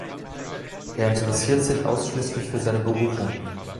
Er interessiert sich ausschließlich für seine Berufung.